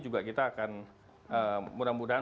juga kita akan mudah mudahan